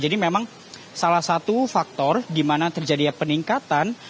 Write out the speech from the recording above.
jadi memang salah satu faktor di mana terjadinya peningkatan